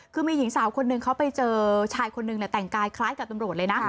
คือมีหญิงสาวคนหนึ่งเขาไปเจอชายคนนึงแต่งกายคล้ายกับตำรวจเลยนะ